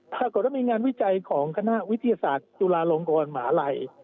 ปรากฏว่ามีงานวิจัยของคณะวิทยาศาสตร์จุฬาลงกรหมาลัย